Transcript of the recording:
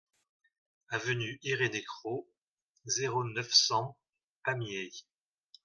Avenue Irénée Cros, zéro neuf, cent Pamiers